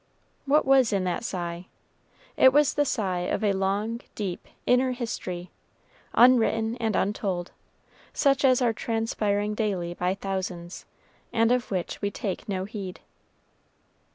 What was in that sigh? It was the sigh of a long, deep, inner history, unwritten and untold such as are transpiring daily by thousands, and of which we take no heed.